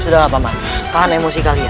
sudahlah papa ma tahan emosi kalian